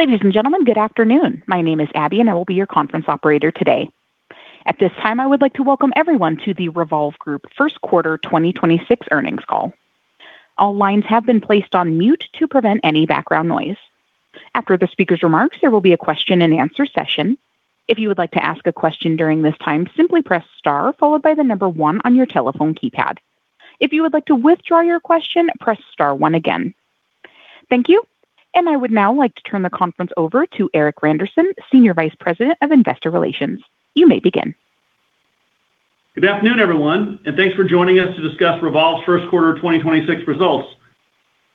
Ladies and gentlemen, good afternoon. My name is Abby. I will be your conference operator today. At this time, I would like to welcome everyone to the Revolve Group First Quarter 2026 earnings call. All lines have been placed on mute to prevent any background noise. After the speaker's remarks, there will be a question-and-answer session. If you would like to ask a question during this time, simply press star followed by one on your telephone keypad. If you would like to withdraw your question, press star one again. Thank you. I would now like to turn the conference over to Erik Randerson, Senior Vice President of Investor Relations. You may begin. Good afternoon, everyone, and thanks for joining us to discuss Revolve's first quarter 2026 results.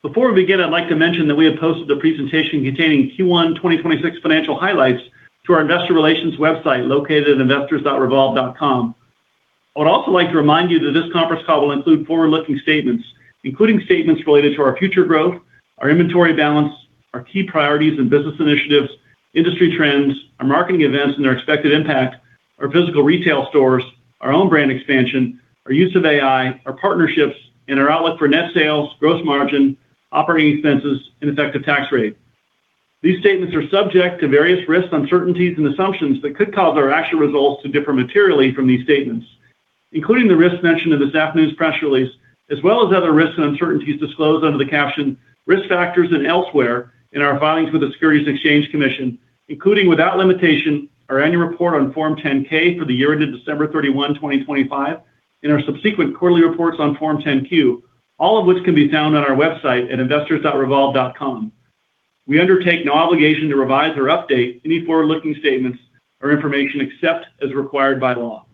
Before we begin, I'd like to mention that we have posted the presentation containing Q1 2026 financial highlights to our investor relations website located at investors.revolve.com. I would also like to remind you that this conference call will include forward-looking statements, including statements related to our future growth, our inventory balance, our key priorities, and business initiatives, industry trends, our marketing events, and their expected impact, our physical retail stores, our own brand expansion, our use of AI, our partnerships, and our outlook for net sales, gross margin, operating expenses, and effective tax rate. These statements are subject to various risks, uncertainties, and assumptions that could cause our actual results to differ materially from these statements, including the risks mentioned in this afternoon's press release, as well as other risks and uncertainties disclosed under the caption Risk Factors, and elsewhere in our filings with the Securities and Exchange Commission, including, without limitation, our annual report on Form 10-K for the year ended December 31, 2025, and our subsequent quarterly reports on Form 10-Q, all of which can be found on our website at investors.revolve.com. We undertake no obligation to revise or update any forward-looking statements or information except as required by law.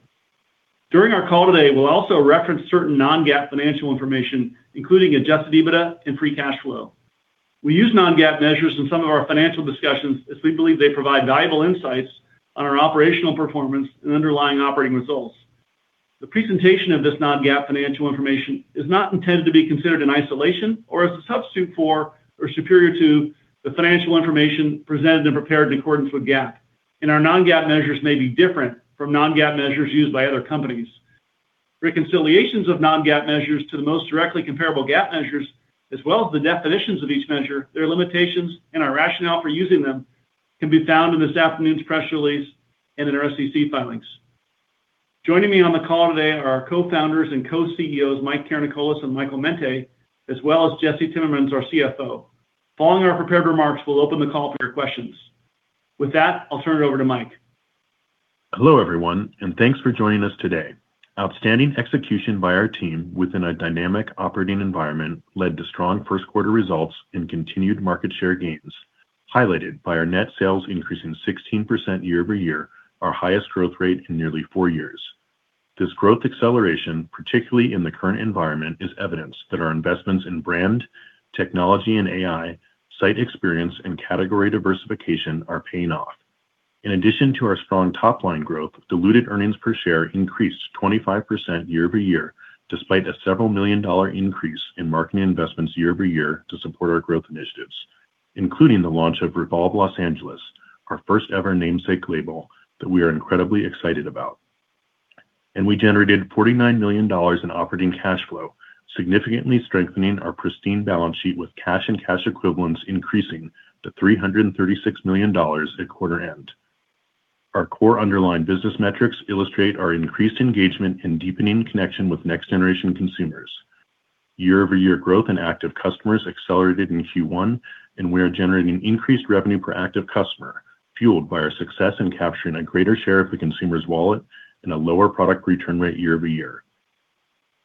During our call today, we'll also reference certain non-GAAP financial information, including adjusted EBITDA and free cash flow. We use non-GAAP measures in some of our financial discussions as we believe they provide valuable insights on our operational performance and underlying operating results. The presentation of this non-GAAP financial information is not intended to be considered in isolation or as a substitute for, or superior to, the financial information presented and prepared in accordance with GAAP, and our non-GAAP measures may be different from non-GAAP measures used by other companies. Reconciliations of non-GAAP measures to the most directly comparable GAAP measures as well as the definitions of each measure, their limitations, and our rationale for using them can be found in this afternoon's press release and in our SEC filings. Joining me on the call today are our co-founders and co-CEOs, Mike Karanikolas, and Michael Mente, as well as Jesse Timmermans, our CFO. Following our prepared remarks, we'll open the call for your questions. With that, I'll turn it over to Mike. Hello, everyone, and thanks for joining us today. Outstanding execution by our team within a dynamic operating environment led to strong first quarter results and continued market share gains, highlighted by our net sales increasing 16% year-over-year, our highest growth rate in nearly four years. This growth acceleration, particularly in the current environment, is evidence that our investments in brand, technology, and AI, site experience, and category diversification are paying off. In addition to our strong top-line growth, diluted earnings per share increased 25% year-over-year, despite a several million dollar increase in marketing investments year-over-year to support our growth initiatives, including the launch of Revolve Los Angeles, our first ever namesake label that we are incredibly excited about. We generated $49 million in operating cash flow, significantly strengthening our pristine balance sheet with cash and cash equivalents increasing to $336 million at quarter end. Our core underlying business metrics illustrate our increased engagement and deepening connection with next-generation consumers. Year-over-year growth in active customers accelerated in Q1. We are generating increased revenue per active customer, fueled by our success in capturing a greater share of the consumer's wallet, and a lower product return rate year-over-year.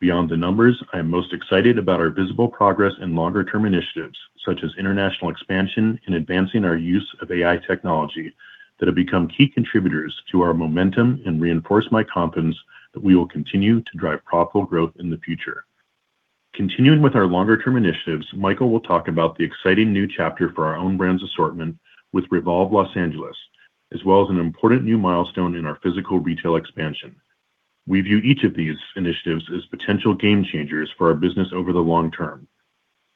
Beyond the numbers, I am most excited about our visible progress and longer-term initiatives, such as international expansion, and advancing our use of AI technology that have become key contributors to our momentum and reinforce my confidence that we will continue to drive profitable growth in the future. Continuing with our longer term initiatives, Michael will talk about the exciting new chapter for our own brands assortment with Revolve Los Angeles, as well as an important new milestone in our physical retail expansion. We view each of these initiatives as potential game changers for our business over the long term.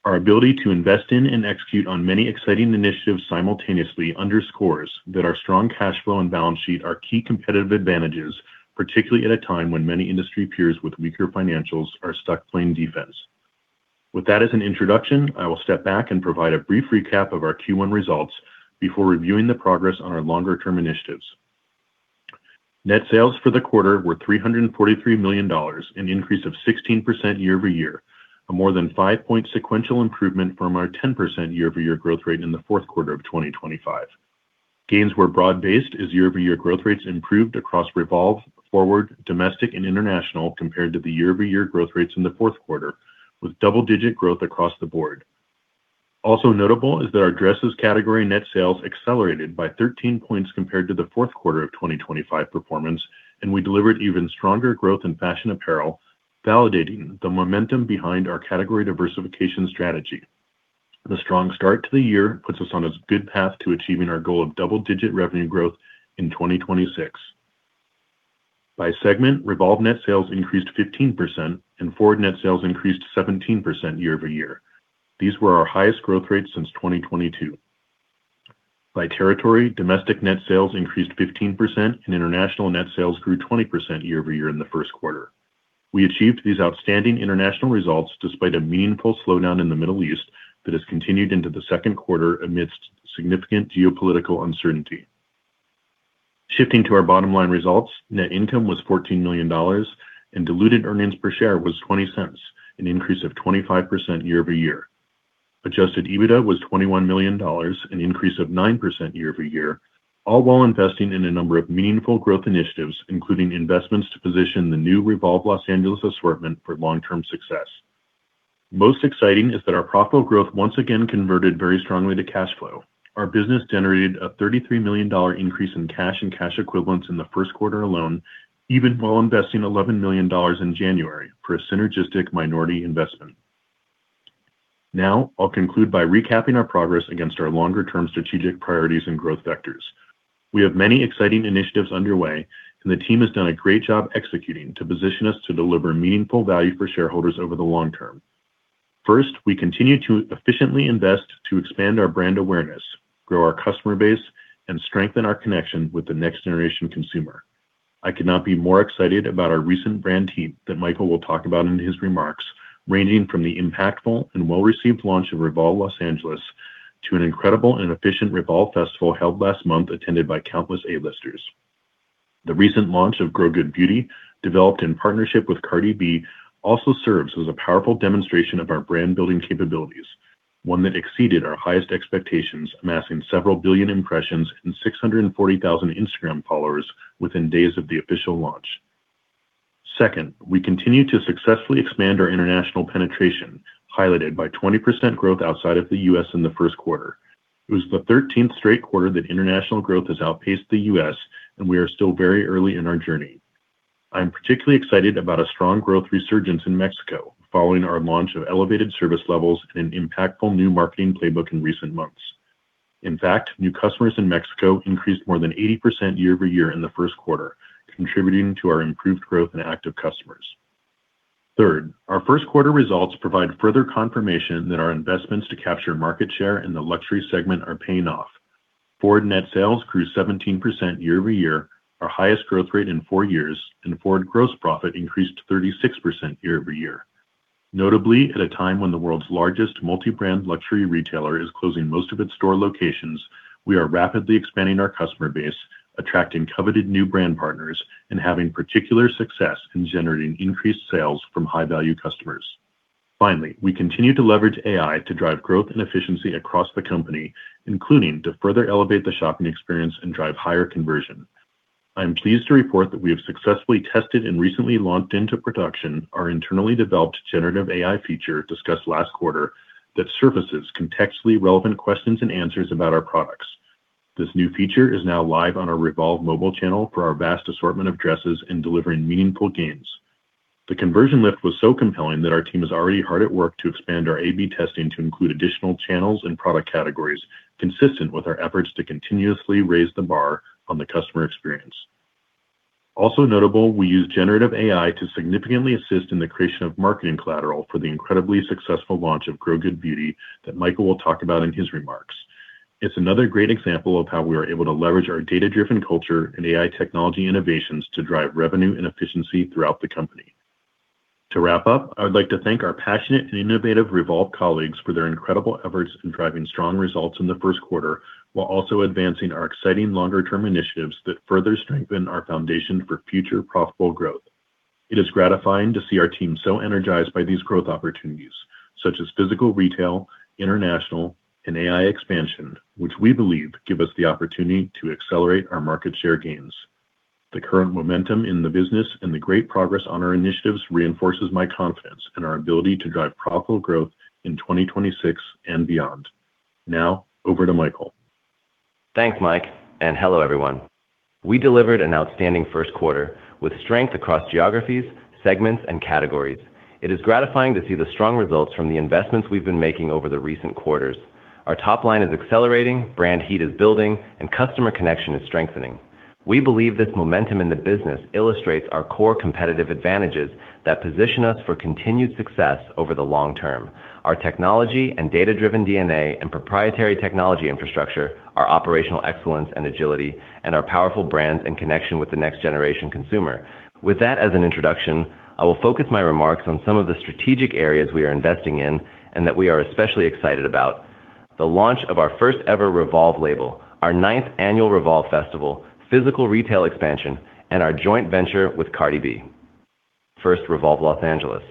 Our ability to invest in and execute on many exciting initiatives simultaneously underscores that our strong cash flow and balance sheet are key competitive advantages, particularly at a time when many industry peers with weaker financials are stuck playing defense. With that as an introduction, I will step back and provide a brief recap of our Q1 results before reviewing the progress on our longer term initiatives. Net sales for the quarter were $343 million, an increase of 16% year-over-year, a more than five-point sequential improvement from our 10% year-over-year growth rate in the fourth quarter of 2025. Gains were broad-based as year-over-year growth rates improved across Revolve, FWRD, Domestic, and International compared to the year-over-year growth rates in the fourth quarter, with double-digit growth across the board. Also notable is that our dresses category net sales accelerated by 13 points compared to the fourth quarter of 2025 performance, and we delivered even stronger growth in fashion apparel, validating the momentum behind our category diversification strategy. The strong start to the year puts us on a good path to achieving our goal of double-digit revenue growth in 2026. By segment, Revolve net sales increased 15%, and FWRD net sales increased 17% year-over-year. These were our highest growth rates since 2022. By territory, Domestic net sales increased 15%, and International net sales grew 20% year-over-year in the first quarter. We achieved these outstanding international results despite a meaningful slowdown in the Middle East that has continued into the second quarter amidst significant geopolitical uncertainty. Shifting to our bottom line results, net income was $14 million and diluted earnings per share was $0.20, an increase of 25% year-over-year. Adjusted EBITDA was $21 million, an increase of 9% year-over-year, all while investing in a number of meaningful growth initiatives, including investments to position the new Revolve Los Angeles assortment for long-term success. Most exciting is that our profitable growth once again converted very strongly to cash flow. Our business generated a $33 million increase in cash and cash equivalents in the first quarter alone, even while investing $11 million in January for a synergistic minority investment. Now, I'll conclude by recapping our progress against our longer-term strategic priorities and growth vectors. We have many exciting initiatives underway, and the team has done a great job executing to position us to deliver meaningful value for shareholders over the long term. First, we continue to efficiently invest to expand our brand awareness, grow our customer base, and strengthen our connection with the next generation consumer. I could not be more excited about our recent brand heat that Michael will talk about in his remarks, ranging from the impactful and well-received launch of Revolve Los Angeles to an incredible and efficient Revolve Festival held last month, attended by countless A-listers. The recent launch of Grow-Good Beauty, developed in partnership with Cardi B, also serves as a powerful demonstration of our brand-building capabilities, one that exceeded our highest expectations, amassing several billion impressions and 640,000 Instagram followers within days of the official launch. Second, we continue to successfully expand our international penetration, highlighted by 20% growth outside of the U.S. in the first quarter. It was the 13th straight quarter that international growth has outpaced the U.S., we are still very early in our journey. I am particularly excited about a strong growth resurgence in Mexico, following our launch of elevated service levels and an impactful new marketing playbook in recent months. In fact, new customers in Mexico increased more than 80% year-over-year in the first quarter, contributing to our improved growth in active customers. Third, our first quarter results provide further confirmation that our investments to capture market share in the luxury segment are paying off. FWRD net sales grew 17% year-over-year, our highest growth rate in four years, and forward gross profit increased 36% year-over-year. Notably, at a time when the world's largest multi-brand luxury retailer is closing most of its store locations, we are rapidly expanding our customer base, attracting coveted new brand partners, and having particular success in generating increased sales from high-value customers. Finally, we continue to leverage AI to drive growth and efficiency across the company, including to further elevate the shopping experience and drive higher conversion. I am pleased to report that we have successfully tested and recently launched into production our internally developed generative AI feature discussed last quarter that surfaces contextually relevant questions and answers about our products. This new feature is now live on our Revolve mobile channel for our vast assortment of dresses in delivering meaningful gains. The conversion lift was so compelling that our team is already hard at work to expand our AB testing to include additional channels and product categories, consistent with our efforts to continuously raise the bar on the customer experience. Also notable, we use generative AI to significantly assist in the creation of marketing collateral for the incredibly successful launch of Grow Good Beauty that Michael will talk about in his remarks. It's another great example of how we are able to leverage our data-driven culture and AI technology innovations to drive revenue and efficiency throughout the company. To wrap up, I would like to thank our passionate and innovative Revolve colleagues for their incredible efforts in driving strong results in the first quarter, while also advancing our exciting longer-term initiatives that further strengthen our foundation for future profitable growth. It is gratifying to see our team so energized by these growth opportunities, such as physical retail, international, and AI expansion, which we believe give us the opportunity to accelerate our market share gains. The current momentum in the business and the great progress on our initiatives reinforces my confidence in our ability to drive profitable growth in 2026 and beyond. Now, over to Michael. Thanks, Mike, and hello, everyone. We delivered an outstanding first quarter with strength across geographies, segments, and categories. It is gratifying to see the strong results from the investments we've been making over the recent quarters. Our top line is accelerating, brand heat is building, and customer connection is strengthening. We believe this momentum in the business illustrates our core competitive advantages that position us for continued success over the long term. Our technology and data-driven DNA and proprietary technology infrastructure, our operational excellence and agility, and our powerful brands and connection with the next generation consumer. With that as an introduction, I will focus my remarks on some of the strategic areas we are investing in and that we are especially excited about. The launch of our first ever Revolve Los Angeles, our 9th annual REVOLVE Festival, physical retail expansion, and our joint venture with Cardi B. Revolve Los Angeles.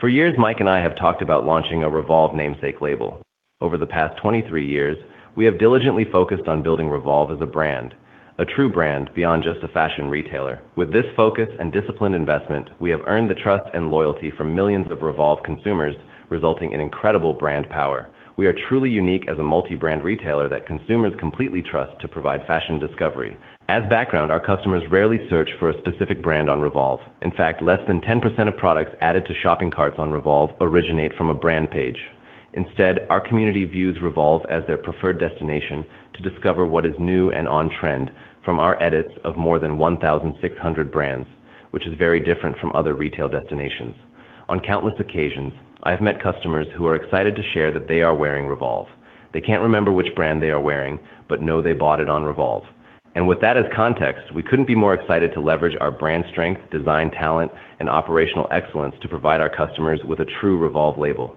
For years, Mike and I have talked about launching a Revolve namesake label. Over the past 23 years, we have diligently focused on building Revolve as a brand, a true brand beyond just a fashion retailer. With this focus and disciplined investment, we have earned the trust and loyalty from millions of Revolve consumers, resulting in incredible brand power. We are truly unique as a multi-brand retailer that consumers completely trust to provide fashion discovery. As background, our customers rarely search for a specific brand on Revolve. In fact, less than 10% of products added to shopping carts on Revolve originate from a brand page. Instead, our community views Revolve as their preferred destination to discover what is new and on trend from our edits of more than 1,600 brands, which is very different from other retail destinations. On countless occasions, I have met customers who are excited to share that they are wearing Revolve. They can't remember which brand they are wearing, but know they bought it on Revolve. With that as context, we couldn't be more excited to leverage our brand strength, design talent, and operational excellence to provide our customers with a true Revolve label.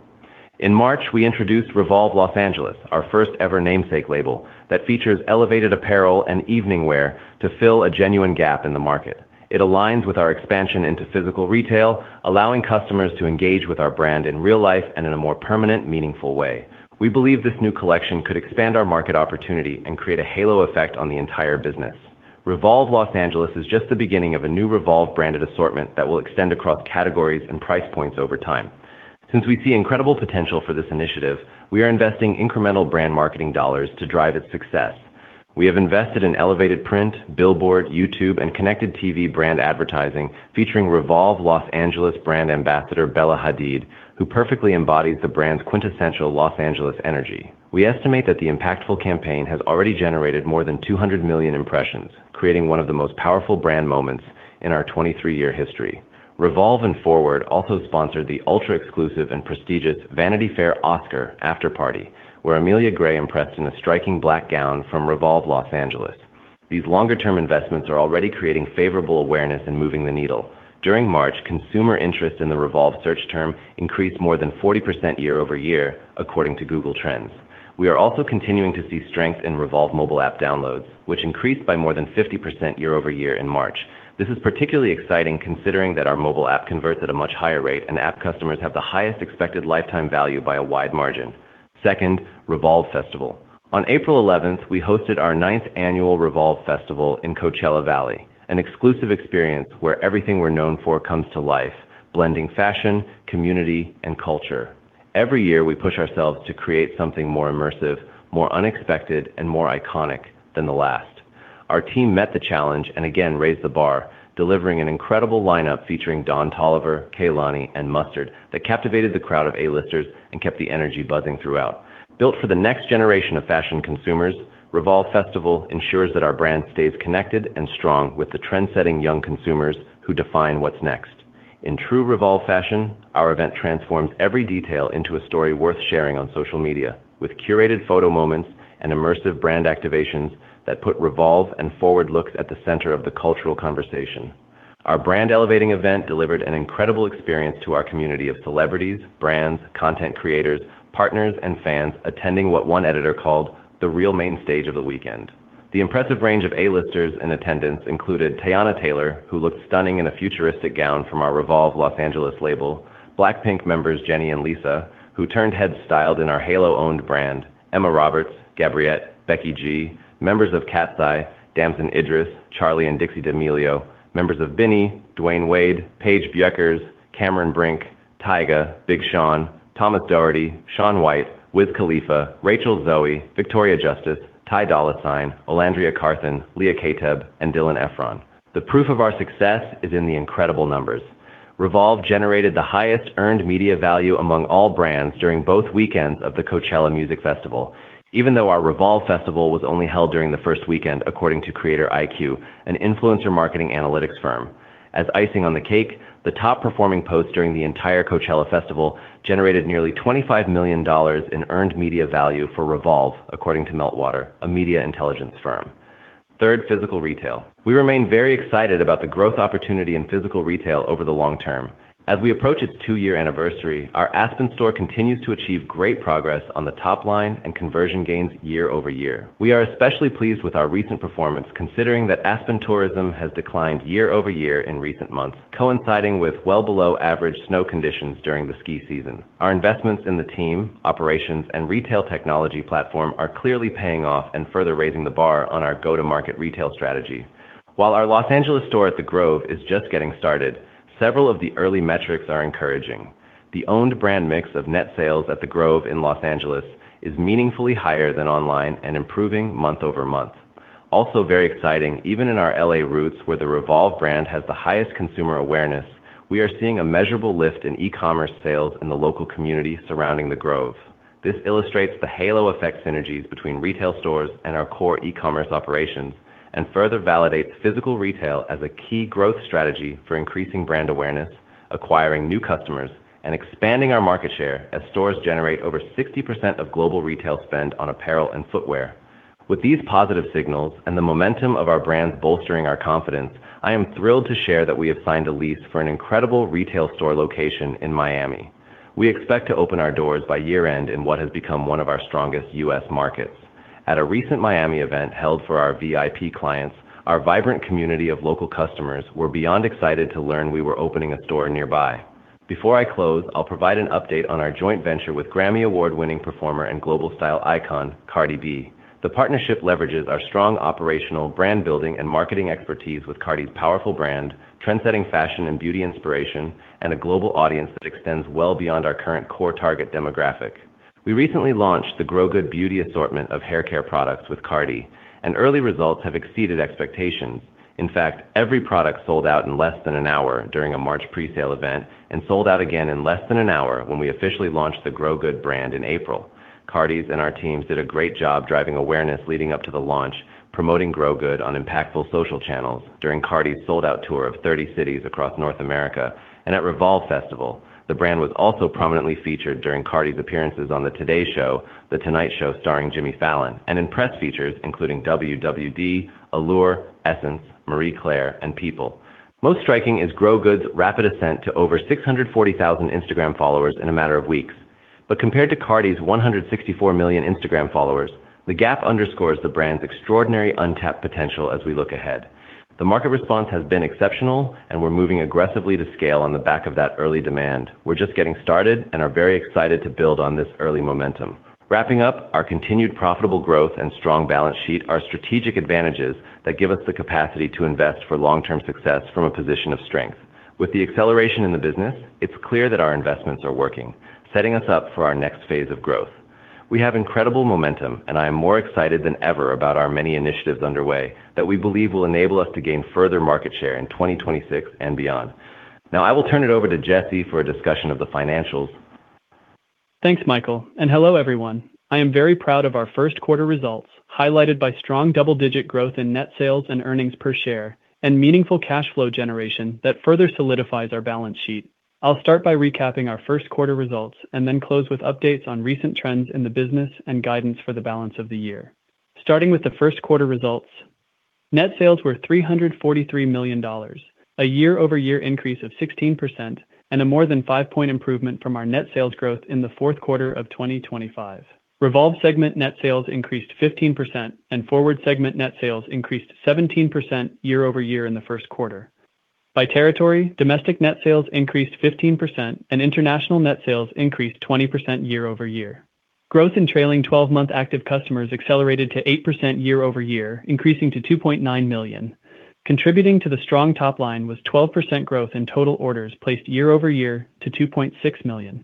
In March, we introduced Revolve Los Angeles, our first-ever namesake label that features elevated apparel, and evening wear to fill a genuine gap in the market. It aligns with our expansion into physical retail, allowing customers to engage with our brand in real life and in a more permanent, meaningful way. We believe this new collection could expand our market opportunity and create a halo effect on the entire business. Revolve Los Angeles is just the beginning of a new Revolve branded assortment that will extend across categories and price points over time. Since we see incredible potential for this initiative, we are investing incremental brand marketing dollars to drive its success. We have invested in elevated print, billboard, YouTube, and connected TV brand advertising featuring Revolve Los Angeles brand ambassador Bella Hadid, who perfectly embodies the brand's quintessential Los Angeles energy. We estimate that the impactful campaign has already generated more than 200 million impressions, creating one of the most powerful brand moments in our 23-year history. Revolve and FWRD also sponsored the ultra-exclusive and prestigious Vanity Fair Oscar afterparty, where Amelia Gray impressed in a striking black gown from Revolve Los Angeles. These longer-term investments are already creating favorable awareness and moving the needle. During March, consumer interest in the Revolve search term increased more than 40% year-over-year, according to Google Trends. We are also continuing to see strength in Revolve mobile app downloads, which increased by more than 50% year-over-year in March. This is particularly exciting considering that our mobile app converts at a much higher rate, and app customers have the highest expected lifetime value by a wide margin. Second, Revolve Festival. On April 11th, we hosted our 9th annual REVOLVE Festival in Coachella Valley, an exclusive experience where everything we're known for comes to life, blending fashion, community, and culture. Every year, we push ourselves to create something more immersive, more unexpected, and more iconic than the last. Our team met the challenge and again raised the bar, delivering an incredible lineup featuring Don Toliver, Kehlani, and Mustard that captivated the crowd of A-listers and kept the energy buzzing throughout. Built for the next generation of fashion consumers, Revolve Festival ensures that our brand stays connected and strong with the trendsetting young consumers who define what's next. In true Revolve fashion, our event transforms every detail into a story worth sharing on social media, with curated photo moments and immersive brand activations that put Revolve and FWRD looks at the center of the cultural conversation. Our brand elevating event delivered an incredible experience to our community of celebrities, brands, content creators, partners, and fans attending what one editor called the real main stage of the weekend. The impressive range of A-listers in attendance included Teyana Taylor, who looked stunning in a futuristic gown from our Revolve Los Angeles label, Blackpink members Jennie and Lisa, who turned heads styled in our Halo owned brand, Emma Roberts, Gabourey Sidibe, Becky G, members of Katseye, Damson Idris, Charli and Dixie D'Amelio, members of Vinnie, Dwyane Wade, Paige Bueckers, Cameron Brink, Tyga, Big Sean, Thomas Doherty, Shaun White, Wiz Khalifa, Rachel Zoe, Victoria Justice, Ty Dolla Sign, Olandria Carthen, Leah Kateb, and Dylan Efron. The proof of our success is in the incredible numbers. Revolve generated the highest earned media value among all brands during both weekends of the Coachella Valley Music and Arts Festival, even though our Revolve Festival was only held during the first weekend, according to CreatorIQ, an influencer marketing analytics firm. As icing on the cake, the top performing post during the entire Coachella festival generated nearly $25 million in earned media value for Revolve, according to Meltwater, a media intelligence firm. Third, physical retail. We remain very excited about the growth opportunity in physical retail over the long term. As we approach its two-year anniversary, our Aspen store continues to achieve great progress on the top line and conversion gains year-over-year. We are especially pleased with our recent performance, considering that Aspen tourism has declined year-over-year in recent months, coinciding with well below average snow conditions during the ski season. Our investments in the team, operations, and retail technology platform are clearly paying off and further raising the bar on our go-to-market retail strategy. While our Los Angeles store at The Grove is just getting started, several of the early metrics are encouraging. The owned brand mix of net sales at The Grove in Los Angeles is meaningfully higher than online and improving month-over-month. Also very exciting, even in our L.A. roots, where the Revolve brand has the highest consumer awareness, we are seeing a measurable lift in e-commerce sales in the local community surrounding The Grove. This illustrates the halo effect synergies between retail stores and our core e-commerce operations and further validates physical retail as a key growth strategy for increasing brand awareness, acquiring new customers, and expanding our market share as stores generate over 60% of global retail spend on apparel and footwear. With these positive signals and the momentum of our brands bolstering our confidence, I am thrilled to share that we have signed a lease for an incredible retail store location in Miami. We expect to open our doors by year-end in what has become one of our strongest U.S. markets. At a recent Miami event held for our VIP clients, our vibrant community of local customers were beyond excited to learn we were opening a store nearby. Before I close, I'll provide an update on our joint venture with Grammy Award-winning performer and global style icon Cardi B. The partnership leverages our strong operational brand building and marketing expertise with Cardi's powerful brand, trendsetting fashion and beauty inspiration, and a global audience that extends well beyond our current core target demographic. We recently launched the Grow-Good Beauty assortment of hair care products with Cardi, and early results have exceeded expectations. In fact, every product sold out in less than one hour during a March pre-sale event and sold out again in less than one hour when we officially launched the Grow Good brand in April. Cardi's and our teams did a great job driving awareness leading up to the launch, promoting Grow Good on impactful social channels during Cardi's sold-out tour of 30 cities across North America and at Revolve Festival. The brand was also prominently featured during Cardi's appearances on The Today Show, The Tonight Show Starring Jimmy Fallon, and in press features including WWD, Allure, Essence, Marie Claire, and People. Most striking is Grow Good's rapid ascent to over 640,000 Instagram followers in a matter of weeks. Compared to Cardi's 164 million Instagram followers, the gap underscores the brand's extraordinary untapped potential as we look ahead. The market response has been exceptional, and we're moving aggressively to scale on the back of that early demand. We're just getting started and are very excited to build on this early momentum. Wrapping up, our continued profitable growth and strong balance sheet are strategic advantages that give us the capacity to invest for long-term success from a position of strength. With the acceleration in the business, it's clear that our investments are working, setting us up for our next phase of growth. We have incredible momentum, and I am more excited than ever about our many initiatives underway that we believe will enable us to gain further market share in 2026 and beyond. Now, I will turn it over to Jesse for a discussion of the financials. Thanks, Michael, and hello, everyone. I am very proud of our first quarter results, highlighted by strong double-digit growth in net sales, and earnings per share and meaningful cash flow generation that further solidifies our balance sheet. I'll start by recapping our first quarter results and then close with updates on recent trends in the business and guidance for the balance of the year. Starting with the first quarter results, net sales were $343 million, a year-over-year increase of 16% and a more than five-point improvement from our net sales growth in the fourth quarter of 2025. Revolve segment net sales increased 15%, and FWRD segment net sales increased 17% year-over-year in the first quarter. By territory, domestic net sales increased 15%, and international net sales increased 20% year-over-year. Growth in trailing 12 month active customers accelerated to 8% year-over-year, increasing to 2.9 million. Contributing to the strong top line was 12% growth in total orders placed year-over-year to 2.6 million.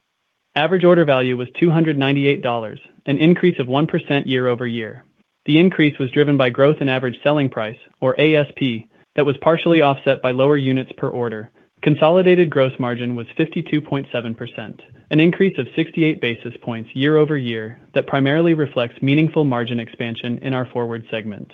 Average order value was $298, an increase of 1% year-over-year. The increase was driven by growth in average selling price or ASP that was partially offset by lower units per order. Consolidated gross margin was 52.7%, an increase of 68 basis points year-over-year that primarily reflects meaningful margin expansion in our FWRD segment.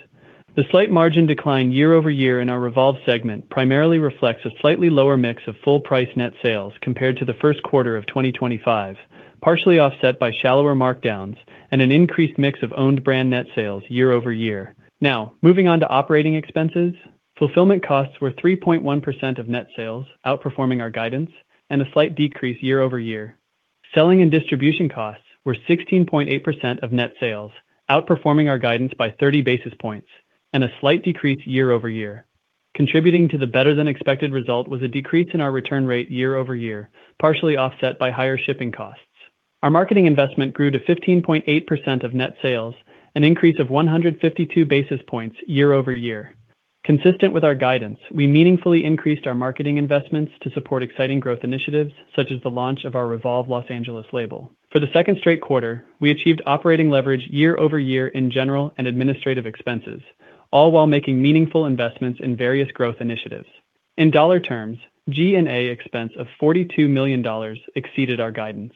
The slight margin decline year-over-year in our Revolve segment primarily reflects a slightly lower mix of full-price net sales compared to the first quarter of 2025, partially offset by shallower markdowns and an increased mix of owned brand net sales year-over-year. Now, moving on to operating expenses, fulfillment costs were 3.1% of net sales, outperforming our guidance and a slight decrease year-over-year. Selling and distribution costs were 16.8% of net sales, outperforming our guidance by 30 basis points and a slight decrease year-over-year. Contributing to the better-than-expected result was a decrease in our return rate year-over-year, partially offset by higher shipping costs. Our marketing investment grew to 15.8% of net sales, an increase of 152 basis points year-over-year. Consistent with our guidance, we meaningfully increased our marketing investments to support exciting growth initiatives such as the launch of our Revolve Los Angeles label. For the second straight quarter, we achieved operating leverage year-over-year in general and administrative expenses, all while making meaningful investments in various growth initiatives. In dollar terms, G&A expense of $42 million exceeded our guidance.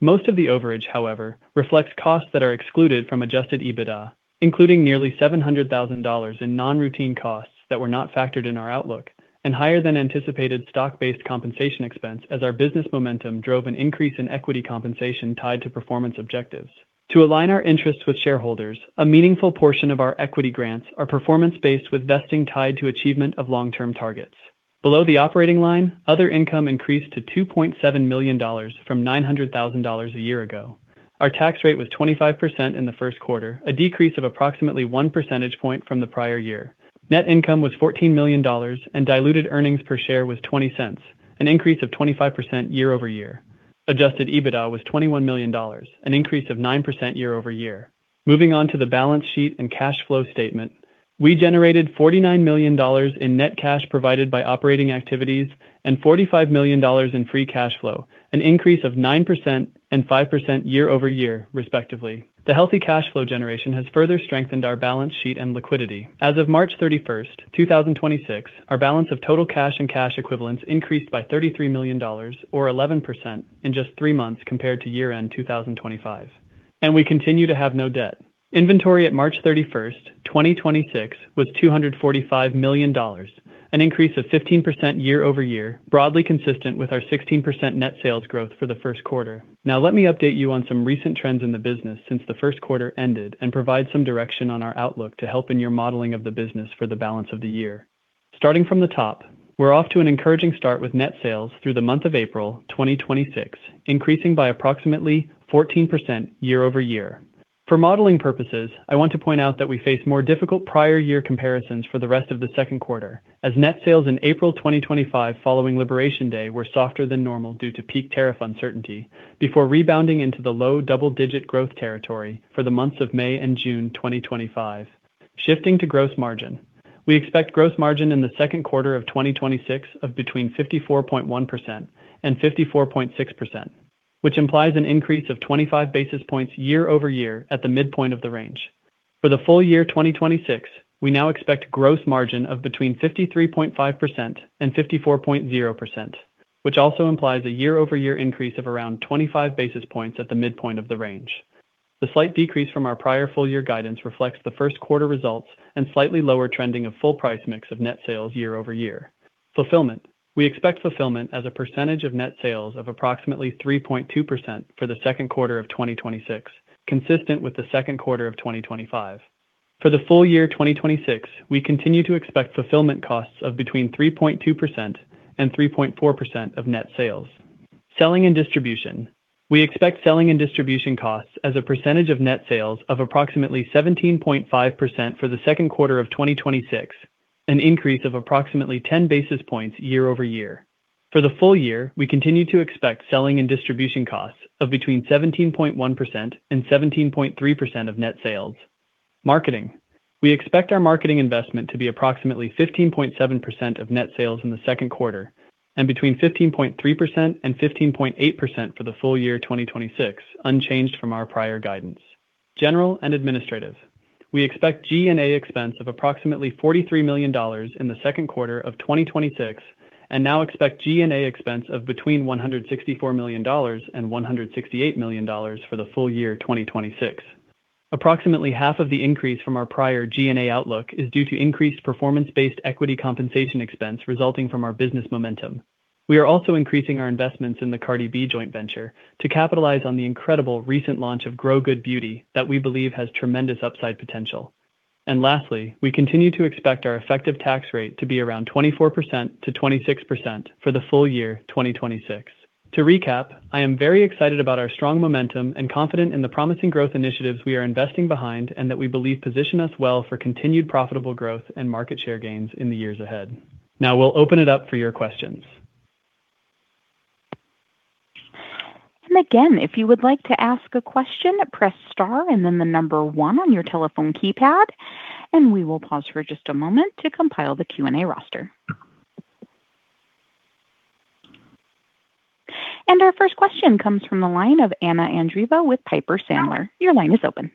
Most of the overage, however, reflects costs that are excluded from Adjusted EBITDA, including nearly $700,000 in non-routine costs that were not factored in our outlook and higher than anticipated stock-based compensation expense as our business momentum drove an increase in equity compensation tied to performance objectives. To align our interests with shareholders, a meaningful portion of our equity grants are performance-based with vesting tied to achievement of long-term targets. Below the operating line, other income increased to $2.7 million from $900,000 a year ago. Our tax rate was 25% in the first quarter, a decrease of approximately one percentage point from the prior year. Net income was $14 million, and diluted earnings per share was $0.20, an increase of 25% year-over-year. Adjusted EBITDA was $21 million, an increase of 9% year-over-year. Moving on to the balance sheet and cash flow statement, we generated $49 million in net cash provided by operating activities and $45 million in free cash flow, an increase of 9% and 5% year-over-year, respectively. The healthy cash flow generation has further strengthened our balance sheet and liquidity. As of March 31, 2026, our balance of total cash and cash equivalents increased by $33 million or 11% in just three months compared to year-end 2025, and we continue to have no debt. Inventory at March 31, 2026 was $245 million, an increase of 15% year-over-year, broadly consistent with our 16% net sales growth for the first quarter. Now, let me update you on some recent trends in the business since the first quarter ended and provide some direction on our outlook to help in your modeling of the business for the balance of the year. Starting from the top, we're off to an encouraging start with net sales through the month of April 2026, increasing by approximately 14% year-over-year. For modeling purposes, I want to point out that we face more difficult prior year comparisons for the rest of the second quarter, as net sales in April 2025 following Liberation Day were softer than normal due to peak tariff uncertainty before rebounding into the low double-digit growth territory for the months of May and June 2025. Shifting to gross margin, we expect gross margin in the second quarter of 2026 of between 54.1% and 54.6%, which implies an increase of 25 basis points year-over-year at the midpoint of the range. For the full year 2026, we now expect gross margin of between 53.5% and 54.0%, which also implies a year-over-year increase of around 25 basis points at the midpoint of the range. The slight decrease from our prior full year guidance reflects the first quarter results and slightly lower trending of full price mix of net sales year-over-year. Fulfillment. We expect fulfillment as a percentage of net sales of approximately 3.2% for the second quarter of 2026, consistent with the second quarter of 2025. For the full year 2026, we continue to expect fulfillment costs of between 3.2%-3.4% of net sales. Selling and distribution. We expect selling and distribution costs as a percentage of net sales of approximately 17.5% for the second quarter of 2026, an increase of approximately 10 basis points year-over-year. For the full year, we continue to expect selling and distribution costs of between 17.1%-17.3% of net sales. Marketing. We expect our marketing investment to be approximately 15.7% of net sales in the second quarter and between 15.3%-15.8% for the full year 2026, unchanged from our prior guidance. General and administrative. We expect G&A expense of approximately $43 million in the second quarter of 2026 and now expect G&A expense of between $164 million and $168 million for the full year 2026. Approximately half of the increase from our prior G&A outlook is due to increased performance-based equity compensation expense resulting from our business momentum. We are also increasing our investments in the Cardi B joint venture to capitalize on the incredible recent launch of Grow-Good Beauty that we believe has tremendous upside potential. Lastly, we continue to expect our effective tax rate to be around 24%-26% for the full year 2026. To recap, I am very excited about our strong momentum and confident in the promising growth initiatives we are investing behind and that we believe position us well for continued profitable growth and market share gains in the years ahead. Now we'll open it up for your questions. Again, if you would like to ask a question, press star and then the number one on your telephone keypad, and we will pause for just a moment to compile the Q&A roster. Our first question comes from the line of Anna Andreeva with Piper Sandler. Your line is open.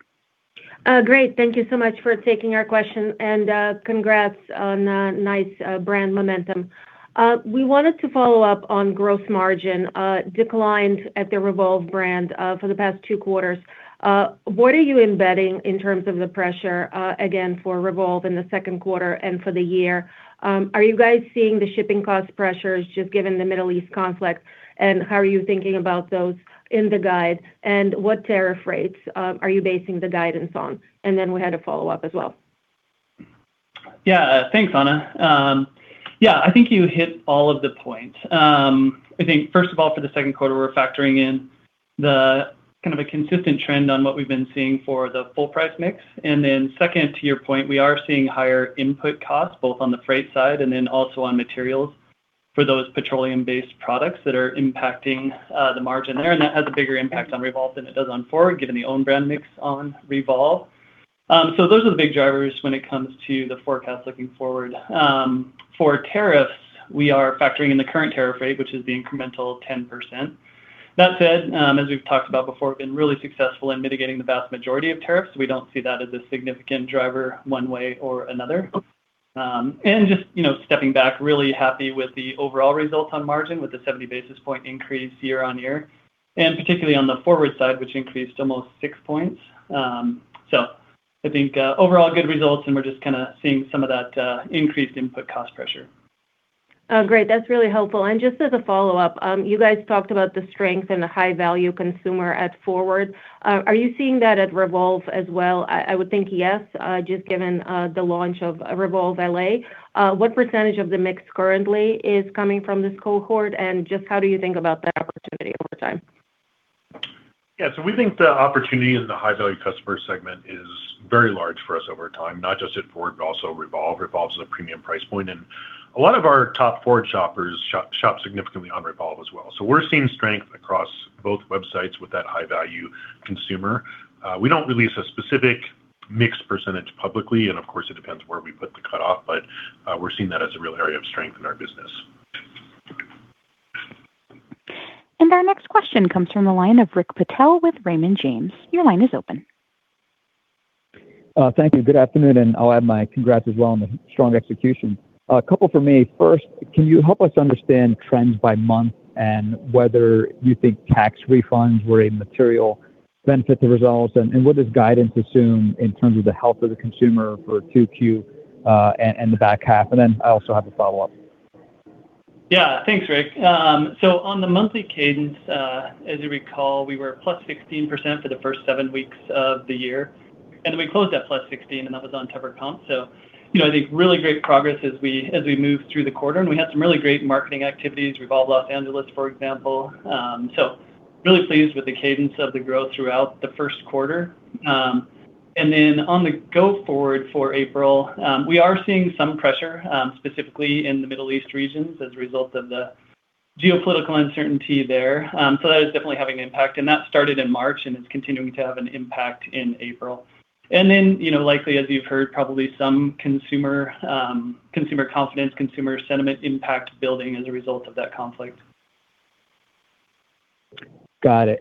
Great. Thank you so much for taking our question, and congrats on nice brand momentum. We wanted to follow up on growth margin declines at the Revolve brand for the past two quarters. What are you embedding in terms of the pressure again for Revolve in the second quarter and for the year? Are you guys seeing the shipping cost pressures just given the Middle East conflict? How are you thinking about those in the guide? What tariff rates are you basing the guidance on? We had a follow-up as well. Yeah. Thanks, Anna. Yeah, I think you hit all of the points. I think first of all, for the second quarter, we're factoring in the kind of a consistent trend on what we've been seeing for the full price mix. Second to your point, we are seeing higher input costs, both on the freight side, and then also on materials for those petroleum-based products that are impacting the margin there, and that has a bigger impact on Revolve than it does on FWRD, given the own brand mix on Revolve. Those are the big drivers when it comes to the forecast looking forward. For tariffs, we are factoring in the current tariff rate, which is the incremental 10%. That said, as we've talked about before, we've been really successful in mitigating the vast majority of tariffs. We don't see that as a significant driver one way or another. Just, you know, stepping back, really happy with the overall results on margin with the 70 basis point increase year-over-year, and particularly on the FWRD side, which increased almost six points. I think, overall good results, and we're just kinda seeing some of that, increased input cost pressure. Oh, great. That's really helpful. Just as a follow-up, you guys talked about the strength in the high-value consumer at FWRD. Are you seeing that at Revolve as well? I would think yes, just given the launch of Revolve L.A. What percentage of the mix currently is coming from this cohort, and just how do you think about that opportunity over time? Yeah. We think the opportunity in the high-value customer segment is very large for us over time, not just at FWRD, but also Revolve. Revolve's at a premium price point, and a lot of our top FWRD shoppers shop significantly on Revolve as well. We're seeing strength across both websites with that high-value consumer. We don't release a specific mixed percentage publicly, and of course, it depends where we put the cutoff, but we're seeing that as a real area of strength in our business. Our next question comes from the line of Rick Patel with Raymond James. Your line is open. Thank you. Good afternoon, and I'll add my congrats as well on the strong execution. A couple from me. First, can you help us understand trends by month and whether you think tax refunds were a material benefit to results? And what does guidance assume in terms of the health of the consumer for 2Q, and the back half? And then I also have a follow-up. Yeah. Thanks, Rick. On the monthly cadence, as you recall, we were +16% for the first seven weeks of the year, and we closed at +16, and that was on temperate count. You know, I think really great progress as we, as we moved through the quarter, and we had some really great marketing activities, Revolve Los Angeles, for example. Really pleased with the cadence of the growth throughout the first quarter. On the go forward for April, we are seeing some pressure, specifically in the Middle East regions as a result of the geopolitical uncertainty there. That is definitely having an impact, and that started in March, and it's continuing to have an impact in April. You know, likely, as you've heard, probably some consumer confidence, consumer sentiment impact building as a result of that conflict. Got it.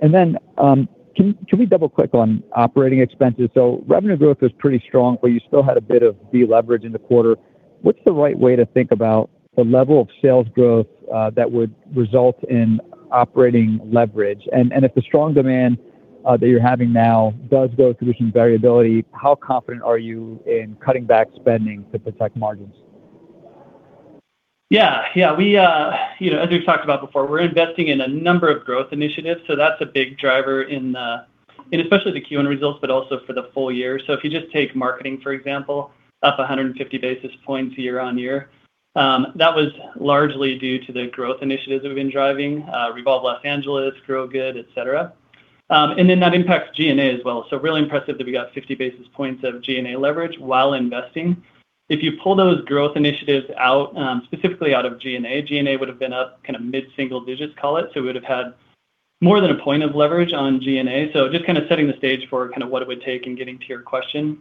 Can we double-click on operating expenses? Revenue growth was pretty strong, but you still had a bit of deleverage in the quarter. What's the right way to think about the level of sales growth that would result in operating leverage? If the strong demand that you're having now does go through some variability, how confident are you in cutting back spending to protect margins? Yeah. Yeah. We, you know, as we've talked about before, we're investing in a number of growth initiatives, so that's a big driver in especially the Q1 results, but also for the full year. If you just take marketing, for example, up 150 basis points year-over-year, that was largely due to the growth initiatives we've been driving, Revolve Los Angeles, Grow-Good Beauty, et cetera. And then that impacts G&A as well. Really impressive that we got 50 basis points of G&A leverage while investing. If you pull those growth initiatives out, specifically out of G&A, G&A would have been up kind of mid-single digits, call it. We would've had more than a point of leverage on G&A. Just kinda setting the stage for kinda what it would take in getting to your question.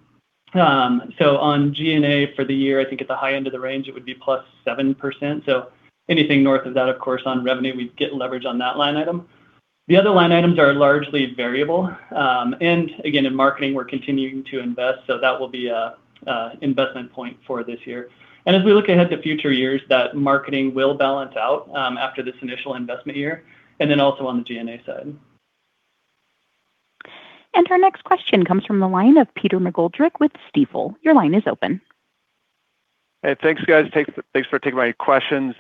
On G&A for the year, I think at the high end of the range, it would be +7%. Anything north of that, of course, on revenue, we'd get leverage on that line item. The other line items are largely variable. In marketing, we're continuing to invest, that will be an investment point for this year. As we look ahead to future years, that marketing will balance out, after this initial investment year, and then also on the G&A side. Our next question comes from the line of Peter McGoldrick with Stifel. Your line is open. Hey, thanks, guys. Thanks for taking my questions.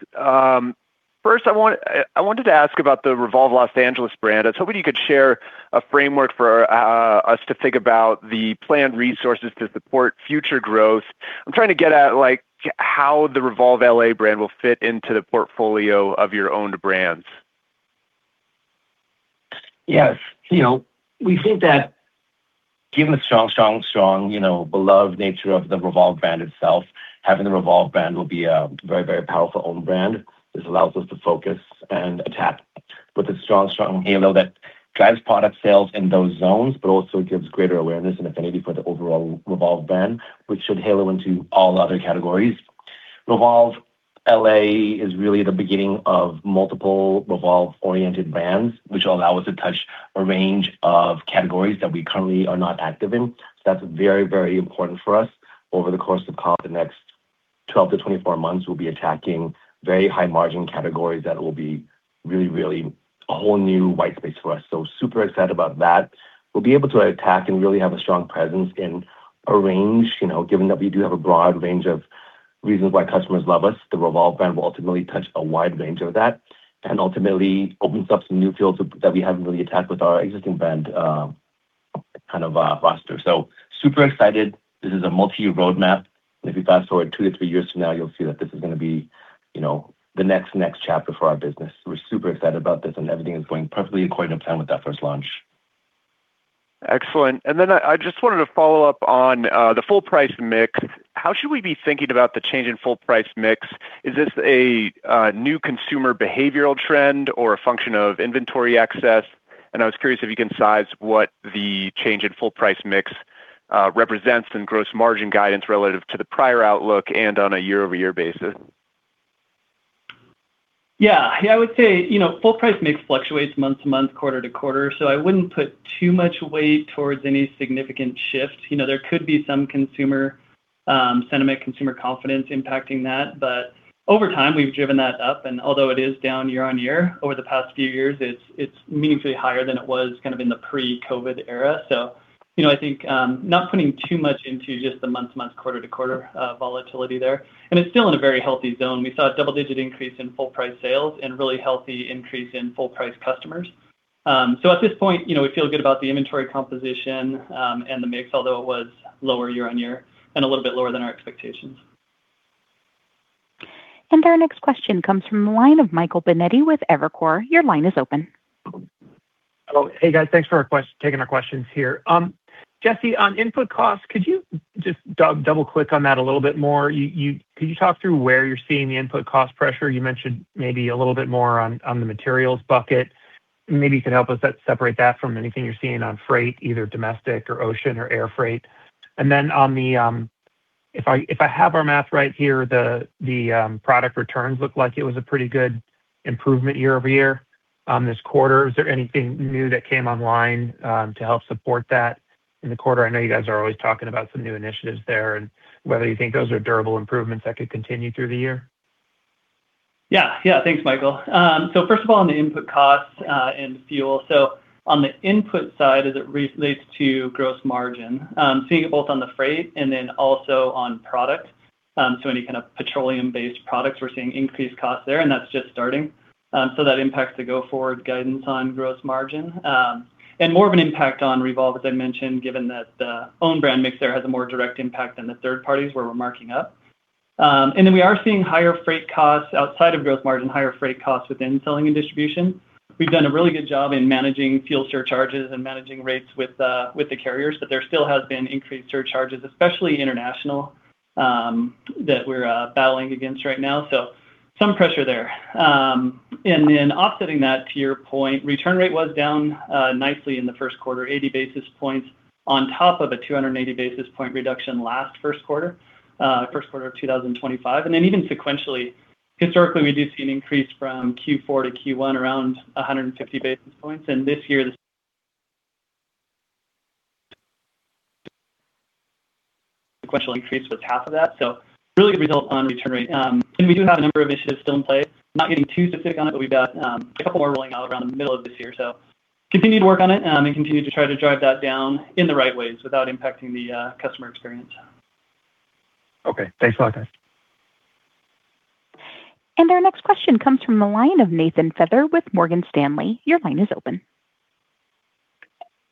First I wanted to ask about the Revolve Los Angeles brand. I was hoping you could share a framework for us to think about the planned resources to support future growth. I'm trying to get at, like, how the Revolve L.A. brand will fit into the portfolio of your owned brands. Yes. You know, we think that given the strong, you know, beloved nature of the Revolve brand itself, having the Revolve brand will be a very powerful own brand, which allows us to focus and attack with a strong halo that drives product sales in those zones, but also gives greater awareness and affinity for the overall Revolve brand, which should halo into all other categories. Revolve L.A. is really the beginning of multiple Revolve-oriented brands, which will allow us to touch a range of categories that we currently are not active in. That's very important for us. Over the course of kind of the next 12-24 months, we'll be attacking very high margin categories that will be really a whole new white space for us. Super excited about that. We'll be able to attack and really have a strong presence in a range. You know, given that we do have a broad range of reasons why customers love us, the Revolve brand will ultimately touch a wide range of that, and ultimately opens up some new fields that we haven't really attacked with our existing brand, kind of, roster. Super excited. This is a multi-year roadmap, and if you fast-forward two to three years from now, you'll see that this is gonna be, you know, the next chapter for our business. We're super excited about this, and everything is going perfectly according to plan with that first launch. Excellent. I just wanted to follow up on the full price mix. How should we be thinking about the change in full price mix? Is this a new consumer behavioral trend or a function of inventory access? I was curious if you can size what the change in full price mix represents in gross margin guidance relative to the prior outlook and on a year-over-year basis. Yeah. Yeah, I would say, you know, full price mix fluctuates month-to-month, quarter-to-quarter. I wouldn't put too much weight towards any significant shift. You know, there could be some consumer sentiment, consumer confidence impacting that. Over time, we've driven that up, and although it is down year-on-year, over the past few years, it's meaningfully higher than it was kind of in the pre-COVID era. You know, I think, not putting too much into just the month-to-month, quarter-to-quarter volatility there. It's still in a very healthy zone. We saw a double-digit increase in full price sales and really healthy increase in full price customers. At this point, you know, we feel good about the inventory composition, and the mix, although it was lower year-over-year and a little bit lower than our expectations. Our next question comes from the line of Michael Binetti with Evercore. Your line is open. Hello. Hey, guys. Thanks for taking our questions here. Jesse, on input costs, could you just double-click on that a little bit more? Could you talk through where you're seeing the input cost pressure? You mentioned maybe a little bit more on the materials bucket. Maybe you could help us separate that from anything you're seeing on freight, either domestic or ocean or air freight. On the, if I have our math right here, the product returns look like it was a pretty good improvement year-over-year this quarter. Is there anything new that came online to help support that in the quarter? I know you guys are always talking about some new initiatives there and whether you think those are durable improvements that could continue through the year. Yeah. Yeah. Thanks, Michael. First of all, on the input costs and fuel. On the input side, as it relates to gross margin, seeing it both on the freight and also on product, any kind of petroleum-based products, we're seeing increased costs there, and that's just starting. That impacts the go-forward guidance on gross margin. More of an impact on Revolve, as I mentioned, given that the own brand mix there has a more direct impact than the third parties where we're marking up. We are seeing higher freight costs outside of growth margin, higher freight costs within selling and distribution. We've done a really good job in managing fuel surcharges and managing rates with the carriers, but there still has been increased surcharges, especially international, that we're battling against right now. Some pressure there. Offsetting that, to your point, return rate was down nicely in the first quarter, 80 basis points on top of a 280 basis point reduction last first quarter, first quarter of 2025. Historically, we do see an increase from Q4 to Q1 around 150 basis points. This year, the sequential increase was half of that. Really a result on return rate. We do have a number of initiatives still in play. Not getting too specific on it, but we've got a couple more rolling out around the middle of this year. Continue to work on it, and continue to try to drive that down in the right ways without impacting the customer experience. Okay. Thanks a lot, guys. Our next question comes from the line of Nathan Feather with Morgan Stanley. Your line is open.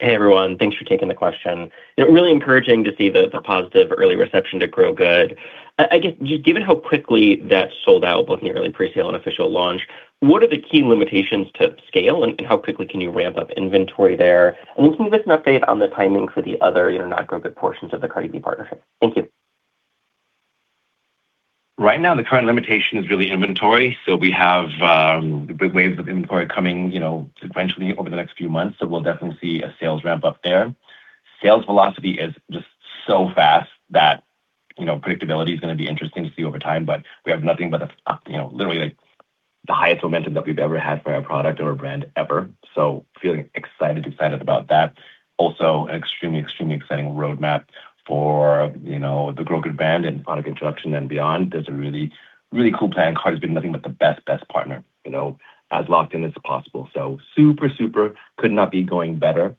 Hey, everyone. Thanks for taking the question. You know, really encouraging to see the positive early reception to Grow-Good. I guess, just given how quickly that sold out, both nearly presale and official launch, what are the key limitations to scale, and how quickly can you ramp up inventory there? Can you give us an update on the timing for the other, you know, not Grow-Good portions of the Cardi B partnership? Thank you. Right now, the current limitation is really inventory. We have big waves of inventory coming, you know, sequentially over the next few months, so we'll definitely see a sales ramp-up there. Sales velocity is just so fast that, you know, predictability is gonna be interesting to see over time. We have nothing but a, you know, literally, like, the highest momentum that we've ever had for our product or a brand ever, so feeling excited about that. Also, an extremely exciting roadmap for, you know, the Grow-Good brand, and product introduction and beyond. There's a really cool plan. Cardi's been nothing but the best partner, you know, as locked in as possible. Super could not be going better.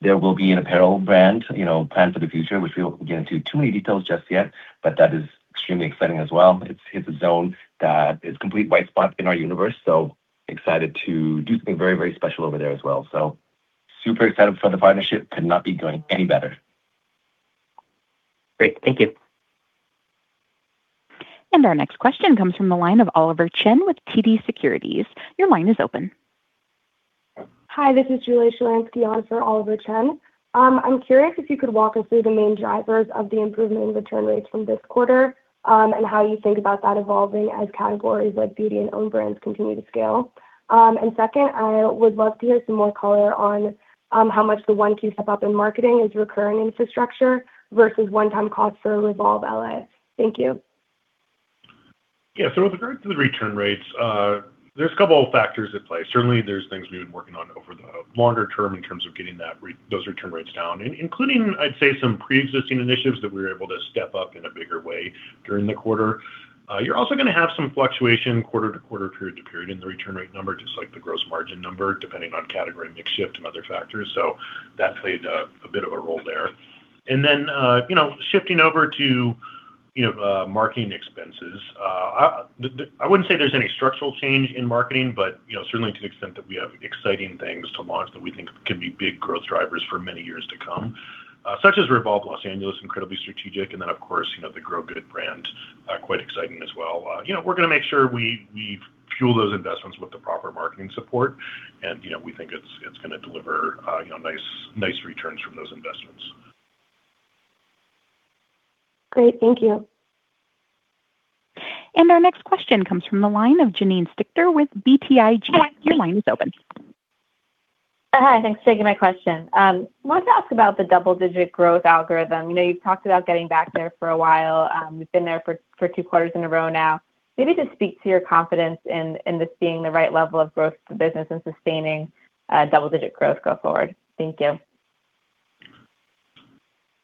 There will be an apparel brand, you know, planned for the future, which we won't get into too many details just yet, but that is extremely exciting as well. It's a zone that is complete white spot in our universe, excited to do something very special over there as well. Super excited for the partnership. Could not be going any better. Great. Thank you. Our next question comes from the line of Oliver Chen with TD Securities. Your line is open. Hi, this is Julie Shalansky on for Oliver Chen. I'm curious if you could walk us through the main drivers of the improvement in return rates from this quarter, and how you think about that evolving as categories like beauty and own brands continue to scale. Second, I would love to hear some more color on how much the 1Q step-up in marketing is recurring infrastructure versus one-time cost for Revolve L.A. Thank you. Yeah. With regard to the return rates, there's a couple of factors at play. Certainly, there's things we've been working on over the longer term in terms of getting that those return rates down, including, I'd say, some preexisting initiatives that we were able to step up in a bigger way during the quarter. You're also gonna have some fluctuation quarter-to-quarter, period to period in the return rate number, just like the gross margin number, depending on category mix shift and other factors. That played a bit of a role there. You know, shifting over to marketing expenses, I wouldn't say there's any structural change in marketing, but you know, certainly to the extent that we have exciting things to launch that we think can be big growth drivers for many years to come, such as Revolve Los Angeles, incredibly strategic, and then of course, you know, the Grow-Good brand, quite exciting as well. You know, we're gonna make sure we fuel those investments with the proper marketing support, and you know, we think it's gonna deliver you know, nice returns from those investments. Great. Thank you. Our next question comes from the line of Janine Stichter with BTIG. Your line is open. Hi. Thanks for taking my question. Wanted to ask about the double-digit growth algorithm. You know, you've talked about getting back there for a while. You've been there for two quarters in a row now. Maybe just speak to your confidence in this being the right level of growth for the business and sustaining double-digit growth going forward. Thank you.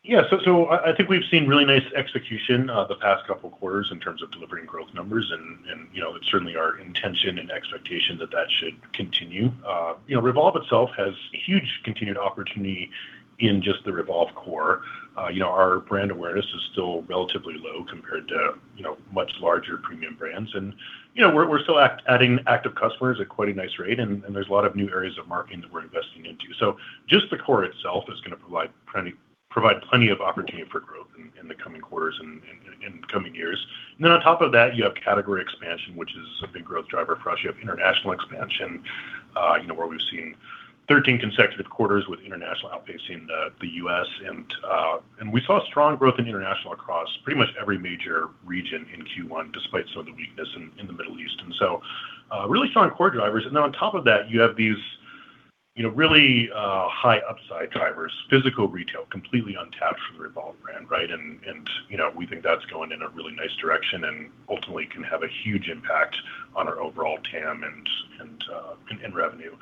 Yeah. I think we've seen really nice execution the past two quarters in terms of delivering growth numbers and, you know, it's certainly our intention and expectation that that should continue. You know, Revolve itself has huge continued opportunity in just the Revolve core. You know, our brand awareness is still relatively low compared to, you know, much larger premium brands. You know, we're still adding active customers at quite a nice rate, and there's a lot of new areas of marketing that we're investing into. Just the core itself is gonna provide plenty of opportunity for growth in the coming quarters and in coming years. On top of that, you have category expansion, which is a big growth driver for us. You have international expansion, you know, where we've seen 13 consecutive quarters with international outpacing the U.S. We saw strong growth in international across pretty much every major region in Q1, despite some of the weakness in the Middle East. Really strong core drivers. On top of that, you have these, you know, really high upside drivers. Physical retail, completely untapped for the Revolve brand, right? We think that's going in a really nice direction and ultimately can have a huge impact on our overall TAM and revenue.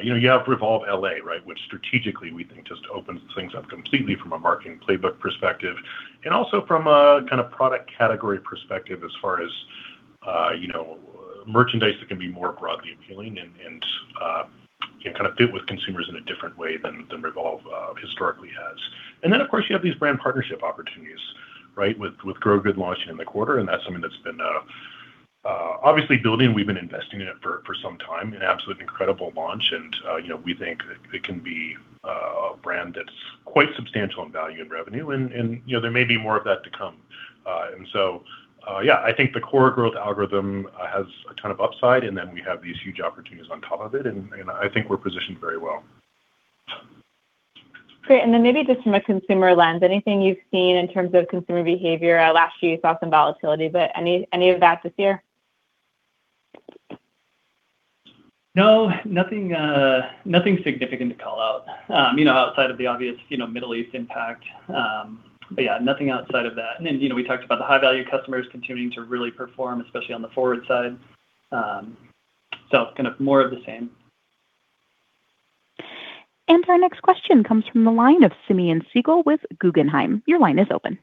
You know, you have Revolve L.A., right, which strategically we think just opens things up completely from a marketing playbook perspective, and also from a kind of product category perspective as far as, you know, merchandise that can be more broadly appealing and, can kind of fit with consumers in a different way than Revolve historically has. Of course, you have these brand partnership opportunities, right? With Grow-Good Beauty launching in the quarter, and that's something that's been obviously building. We've been investing in it for some time. An absolute incredible launch, and, you know, we think that it can be a brand that's quite substantial in value and revenue and, you know, there may be more of that to come. Yeah, I think the core growth algorithm has a ton of upside, and then we have these huge opportunities on top of it and I think we're positioned very well. Great. Maybe just from a consumer lens, anything you've seen in terms of consumer behavior? Last year you saw some volatility, but any of that this year? No, nothing significant to call out. You know, outside of the obvious, you know, Middle East impact. Yeah, nothing outside of that. You know, we talked about the high value customers continuing to really perform, especially on the FWRD side. It's kind of more of the same. Our next question comes from the line of Simeon Siegel with Guggenheim. Your line is open.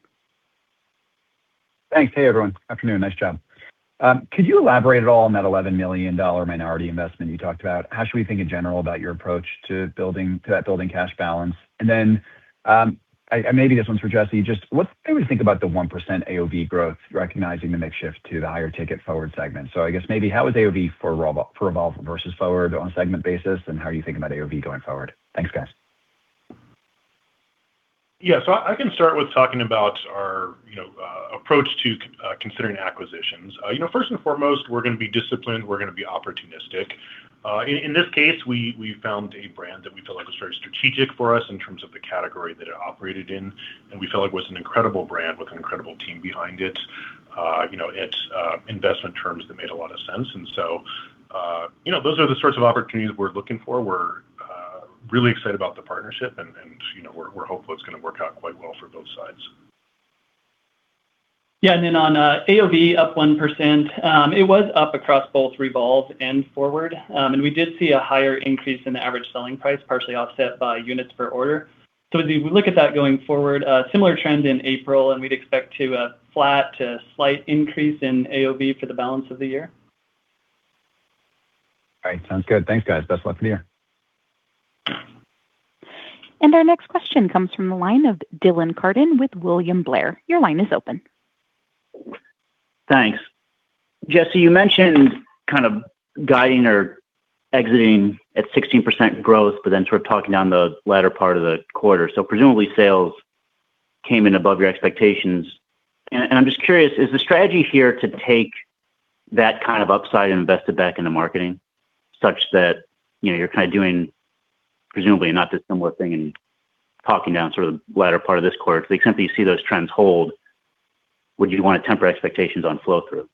Thanks. Hey, everyone. Afternoon. Nice job. Could you elaborate at all on that $11 million minority investment you talked about? How should we think in general about your approach to that building cash balance? Maybe this one's for Jesse, how do we think about the 1% AOV growth, recognizing the mix shift to the higher ticket FWRD segment? I guess maybe how is AOV for Revolve versus FWRD on a segment basis, and how are you thinking about AOV going forward? Thanks, guys. Yeah. I can start with talking about our, you know, approach to considering acquisitions. You know, first and foremost, we're gonna be disciplined, we're gonna be opportunistic. In this case, we found a brand that we felt like was very strategic for us in terms of the category that it operated in, and we felt like it was an incredible brand with an incredible team behind it. You know, at investment terms that made a lot of sense. You know, those are the sorts of opportunities we're looking for. We're really excited about the partnership, and you know, we're hopeful it's gonna work out quite well for both sides. On AOV up 1%, it was up across both Revolve and FWRD. We did see a higher increase in the average selling price, partially offset by units per order. As we look at that going forward, a similar trend in April, and we'd expect to a flat to slight increase in AOV for the balance of the year. All right. Sounds good. Thanks, guys. Best luck for the year. Our next question comes from the line of Dylan Carden with William Blair. Your line is open. Thanks. Jesse, you mentioned kind of guiding or exiting at 16% growth, but then sort of talking down the latter part of the quarter. Presumably sales came in above your expectations. I'm just curious, is the strategy here to take that kind of upside and invest it back into marketing such that, you know, you're kind of doing presumably a not dissimilar thing and talking down sort of the latter part of this quarter? I simply see those trends hold. Would you wanna temper expectations on flow through?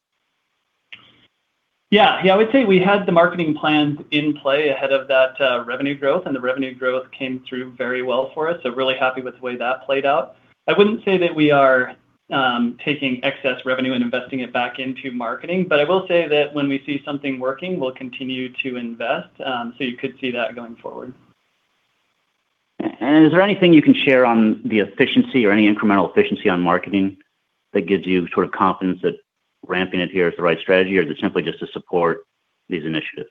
Yeah, I would say we had the marketing plans in play ahead of that revenue growth. The revenue growth came through very well for us. Really happy with the way that played out. I wouldn't say that we are taking excess revenue and investing it back into marketing, but I will say that when we see something working, we'll continue to invest. You could see that going forward. Is there anything you can share on the efficiency or any incremental efficiency on marketing that gives you sort of confidence that ramping it here is the right strategy, or is it simply just to support these initiatives?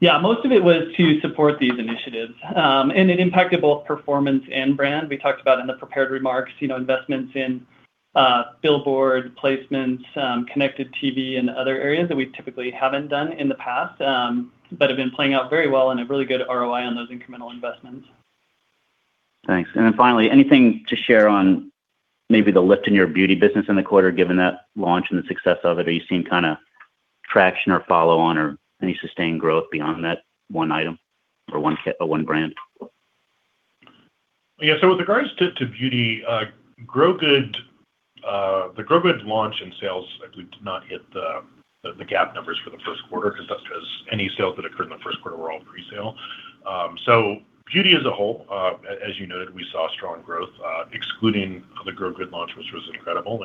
Yeah, most of it was to support these initiatives. It impacted both performance and brand. We talked about in the prepared remarks, you know, investments in billboard placements, connected TV, and other areas that we typically haven't done in the past, but have been playing out very well and a really good ROI on those incremental investments. Thanks. Finally, anything to share on maybe the lift in your beauty business in the quarter, given that launch and the success of it? Are you seeing kind of traction or follow on or any sustained growth beyond that one item or one brand? Yeah. With regards to beauty, Grow Good, the Grow Good launch, and sales, we did not hit the GAAP numbers for the first quarter because that's just any sales that occurred in the first quarter were all pre-sale. Beauty as a whole, as you noted, we saw strong growth, excluding the Grow Good launch, which was incredible.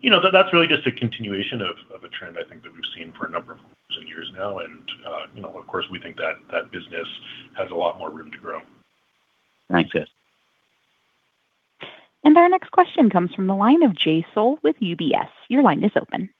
You know, that's really just a continuation of a trend I think that we've seen for a number of years now. You know, of course, we think that that business has a lot more room to grow. Thanks. Our next question comes from the line of Jay Sole with UBS. Your line is open.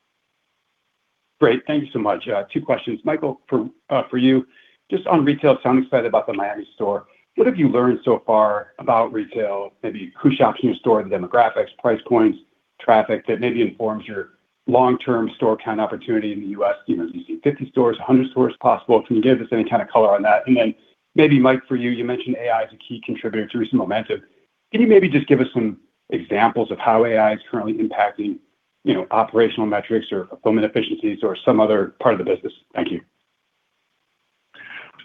Great. Thank you so much. two questions. Michael, for you, just on retail, you sound excited about the Miami store. What have you learned so far about retail, maybe who shops in your store, the demographics, price points, traffic that maybe informs your long-term store count opportunity in the U.S.? You know, do you see 50 stores, 100 stores possible? Can you give us any kind of color on that? Maybe Mike, for you mentioned AI is a key contributor to recent momentum. Can you maybe just give us some examples of how AI is currently impacting, you know, operational metrics or fulfillment efficiencies or some other part of the business? Thank you.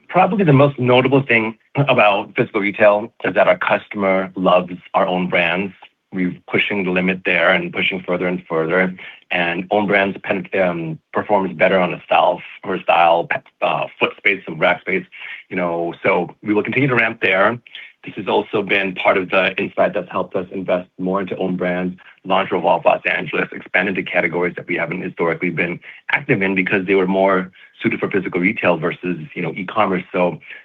Probably the most notable thing about physical retail is that our customer loves our own brands. We're pushing the limit there and pushing further and further, and own brands penetration performs better on the shelf for style, foot space, and rack space, you know. We will continue to ramp there. This has also been part of the insight that's helped us invest more into own brands, launch Revolve Los Angeles, expand into categories that we haven't historically been active in because they were more suited for physical retail versus, you know, e-commerce.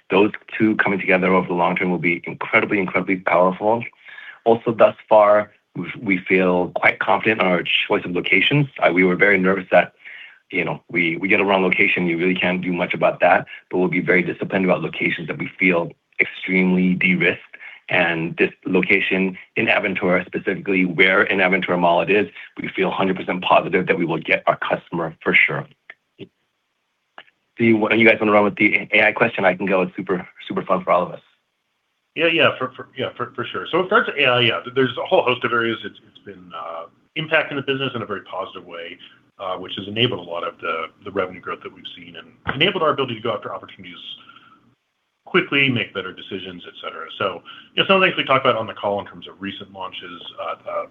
Those two coming together over the long term will be incredibly powerful. Also, thus far, we feel quite confident in our choice of locations. We were very nervous that, you know, we get the wrong location, we really can't do much about that. We'll be very disciplined about locations that we feel extremely de-risked. This location in Aventura, specifically where in Aventura Mall it is, we feel 100% positive that we will get our customer for sure. Do you guys wanna run with the AI question? I can go. It's super fun for all of us. Yeah, for sure. As far as AI, yeah, there's a whole host of areas it's been impacting the business in a very positive way, which has enabled a lot of the revenue growth that we've seen and enabled our ability to go after opportunities quickly make better decisions, et cetera. Yeah, some of the things we talked about on the call in terms of recent launches,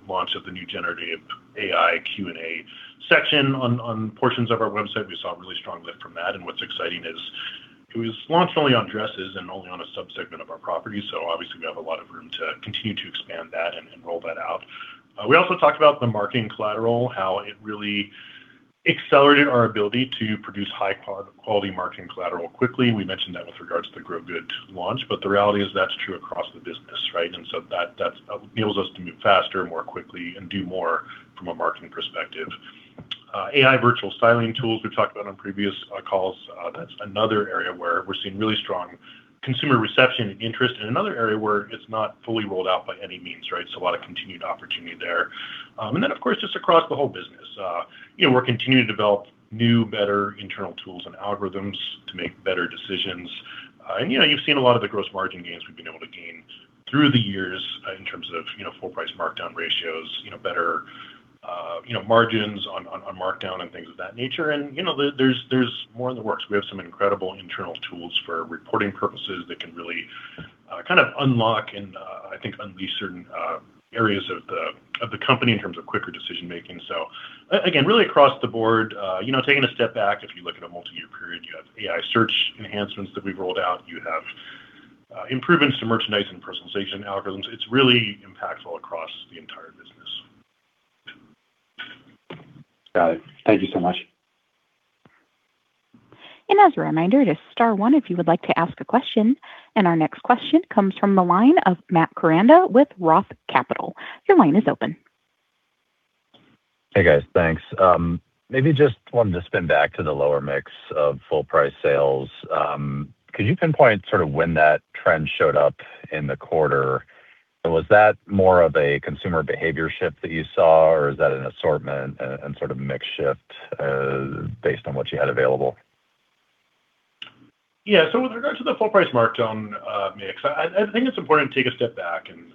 launch of the new generative AI Q&A section on portions of our website, we saw a really strong lift from that. What's exciting is it was launched only on dresses and only on a sub-segment of our property. Obviously, we have a lot of room to continue to expand that and roll that out. We also talked about the marketing collateral, how it really accelerated our ability to produce high quality marketing collateral quickly. We mentioned that with regards to the Grow-Good launch, but the reality is that's true across the business, right? That enables us to move faster, more quickly, and do more from a marketing perspective. AI virtual styling tools we've talked about on previous calls. That's another area where we're seeing really strong consumer reception and interest, and another area where it's not fully rolled out by any means, right? A lot of continued opportunity there. Of course, just across the whole business. You know, we're continuing to develop new, better internal tools and algorithms to make better decisions. You know, you've seen a lot of the gross margin gains we've been able to gain through the years in terms of you know, full price markdown ratios, you know, better you know, margins on markdown and things of that nature. You know, there's more in the works. We have some incredible internal tools for reporting purposes that can really kind of unlock and I think unleash certain areas of the company in terms of quicker decision-making. Again, really across the board, you know, taking a step back, if you look at a multi-year period, you have AI search enhancements that we've rolled out. You have improvements to merchandise and personalization algorithms. It's really impactful across the entire business. Got it. Thank you so much. As a reminder, it is star one if you would like to ask a question. Our next question comes from the line of Matt Koranda with Roth Capital. Your line is open. Hey, guys. Thanks. Maybe just wanted to spin back to the lower mix of full price sales. Could you pinpoint sort of when that trend showed up in the quarter? Was that more of a consumer behavior shift that you saw, or is that an assortment and sort of mix shift, based on what you had available? Yeah. With regards to the full price markdown mix, I think it's important to take a step back and,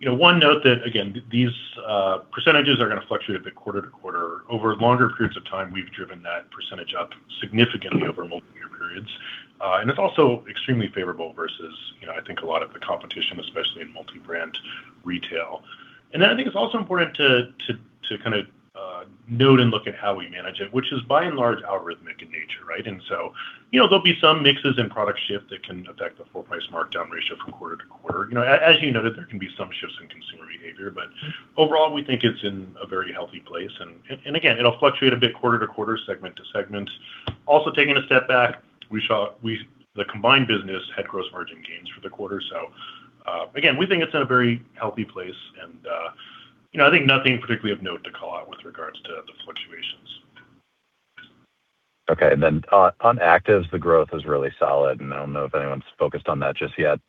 you know, to note that again, these percentages are gonna fluctuate a bit quarter-to-quarter. Over longer periods of time, we've driven that percentage up significantly over multiple year periods. It's also extremely favorable versus, you know, I think a lot of the competition, especially in multi-brand retail. I think it's also important to kind of note and look at how we manage it, which is by and large algorithmic in nature, right? You know, there'll be some mixes and product shift that can affect the full price markdown ratio from quarter-to-quarter. You know, as you noted, there can be some shifts in consumer behavior. Overall, we think it's in a very healthy place, and again, it'll fluctuate a bit quarter-to-quarter, segment to segment. Also, taking a step back, we saw the combined business had gross margin gains for the quarter. Again, we think it's in a very healthy place and, you know, I think nothing particularly of note to call out with regard to the fluctuations. Okay. On actives, the growth is really solid, and I don't know if anyone's focused on that just yet.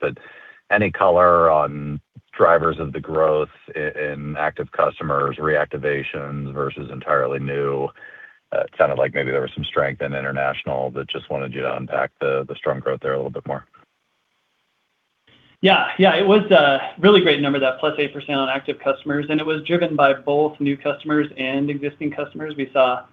Any color on drivers of the growth in active customers, reactivations versus entirely new? It sounded like maybe there was some strength in international, but just wanted you to unpack the strong growth there a little bit more. Yeah. Yeah. It was a really great number, that +8% on active customers, and it was driven by both new customers and existing customers. We saw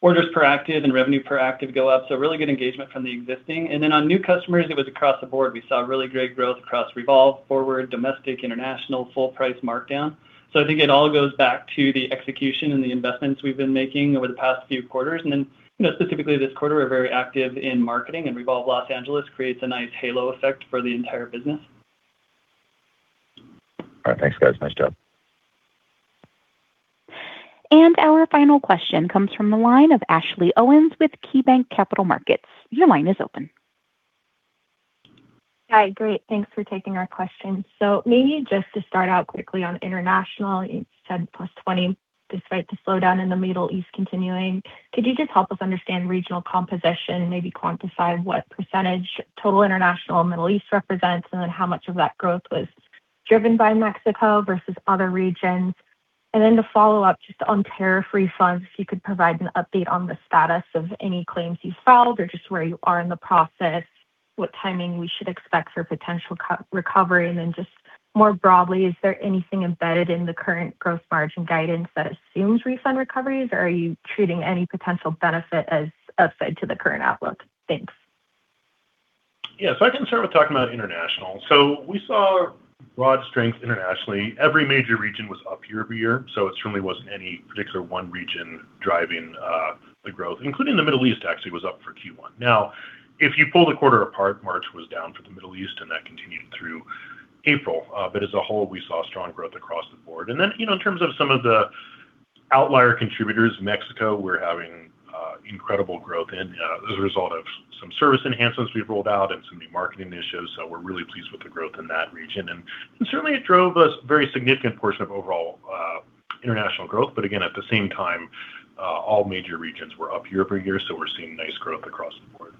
orders per active and revenue per active go up, so really good engagement from the existing. On new customers, it was across the board. We saw really great growth across Revolve, FWRD, domestic, international, full price markdown. I think it all goes back to the execution and the investments we've been making over the past few quarters. You know, specifically this quarter, we're very active in marketing, and Revolve Los Angeles creates a nice halo effect for the entire business. All right. Thanks, guys. Nice job. Our final question comes from the line of Ashley Owens with KeyBanc Capital Markets. Your line is open. Hi. Great. Thanks for taking our questions. Maybe just to start out quickly on international, you said +20% despite the slowdown in the Middle East continuing. Could you just help us understand regional composition and maybe quantify what percentage total international Middle East represents and then how much of that growth was driven by Mexico versus other regions? To follow up, just on tariff refunds, if you could provide an update on the status of any claims you filed or just where you are in the process, what timing we should expect for potential cost recovery. Just more broadly, is there anything embedded in the current gross margin guidance that assumes refund recoveries, or are you treating any potential benefit as outside to the current outlook? Thanks. Yeah. I can start with talking about international. We saw broad strength internationally. Every major region was up year-over-year, so it certainly wasn't any particular one region driving the growth, including the Middle East actually was up for Q1. Now, if you pull the quarter apart, March was down for the Middle East, and that continued through April. As a whole, we saw strong growth across the board. Then, you know, in terms of some of the outlier contributors, Mexico, we're having incredible growth in as a result of some service enhancements we've rolled out and some new marketing initiatives. We're really pleased with the growth in that region. Certainly, it drove a very significant portion of overall international growth. Again, at the same time, all major regions were up year-over-year, so we're seeing nice growth across the board.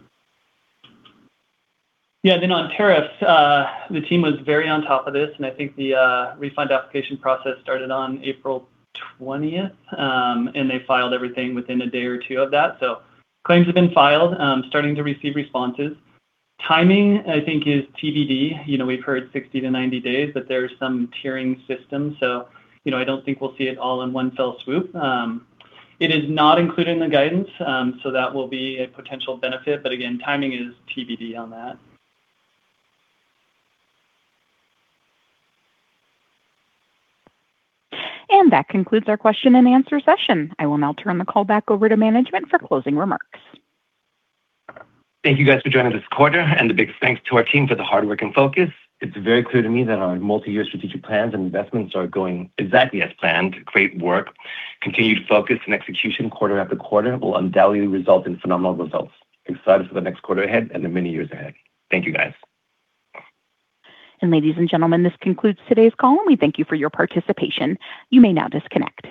Yeah. On tariffs, the team was very on top of this, and I think the refund application process started on April 20th, and they filed everything within a day or two of that. Claims have been filed, starting to receive responses. Timing, I think, is TBD. You know, we've heard 60-90 days, but there's some tiering system, so, you know, I don't think we'll see it all in one fell swoop. It is not included in the guidance, so that will be a potential benefit, but again, timing is TBD on that. That concludes our question and answer session. I will now turn the call back over to management for closing remarks. Thank you guys for joining this quarter, and a big thanks to our team for the hard work and focus. It's very clear to me that our multi-year strategic plans and investments are going exactly as planned. Great work. Continued focus and execution quarter after quarter will undoubtedly result in phenomenal results. Excited for the next quarter ahead and the many years ahead. Thank you, guys. Ladies and gentlemen, this concludes today's call, and we thank you for your participation. You may now disconnect.